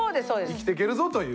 生きていけるぞという。